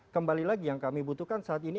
kembali lagi yang kami butuhkan saat ini